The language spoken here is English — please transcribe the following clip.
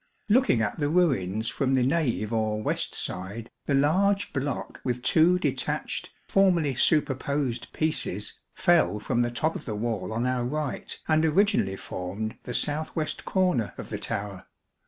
Looking at the ruins from the nave or west side; the large block with two detached, formerly superposed, pieces fell from the top of the wall on our right and originally formed the south west corner of the tower.